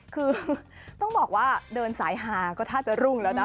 คือต้องบอกว่าเดินสายหาก็ถ้าจะรุ่งแล้วนะ